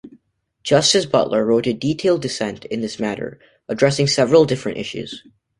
Justice Butler wrote a detailed dissent in this matter, addressing several different issues.